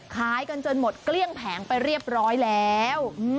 ขายกันจนหมดเกลี้ยงแผงไปเรียบร้อยแล้ว